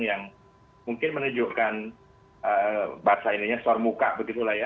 yang mungkin menunjukkan bahasa ininya sor muka begitu lah ya